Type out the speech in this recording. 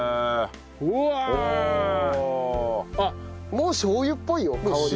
もうしょう油っぽいよ香りは。